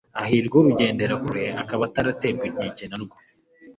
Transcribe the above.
hahirwa urugendera kure akaba ataraterwa inkeke na rwo